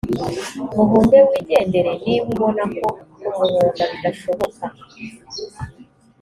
muhunge wigendere niba ubona ko kumuhunga bidashoboka